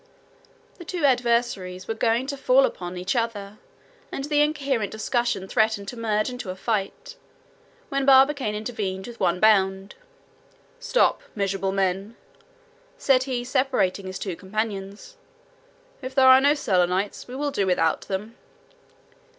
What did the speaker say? The two adversaries were going to fall upon each other, and the incoherent discussion threatened to merge into a fight, when Barbicane intervened with one bound. "Stop, miserable men," said he, separating his two companions; "if there are no Selenites, we will do without them."